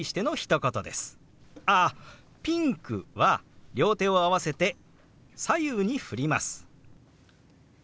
あっ「ピンク」は両手を合わせて左右にふります。